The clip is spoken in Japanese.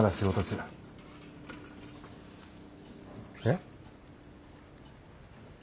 えっ？